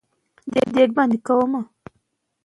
که تاسو ډیر خوله کوئ، باید ډاکټر ته مراجعه وکړئ.